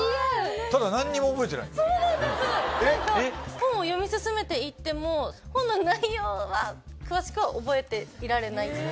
本を読み進めて行っても本の内容は詳しくは覚えていられない。